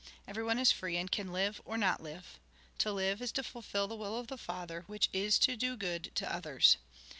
Everyone is free, and can live, or not live. To live, is to fulfil the will of the Father, which is to do good to others.